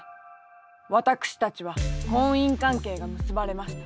私たちは婚姻関係が結ばれました。